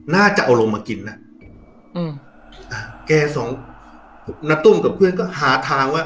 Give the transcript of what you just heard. น่าจะเอาลงมากินนะอืมอ่าแกสองณตุ้มกับเพื่อนก็หาทางว่า